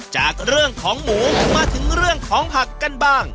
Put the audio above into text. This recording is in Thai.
จากเรื่องของหมูมาถึงเรื่องของผักกันบ้าง